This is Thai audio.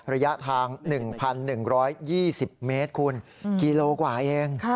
ระยะทาง๑๑๒๐เมตรคุณกิโลกว่าเอง